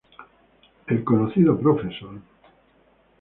El conocido Prof.